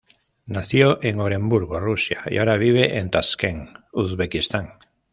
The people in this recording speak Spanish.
Nació en Oremburgo, Rusia y ahora vive en Taskent, Uzbekistán.